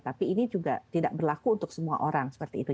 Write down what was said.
tapi ini juga tidak berlaku untuk semua orang seperti itu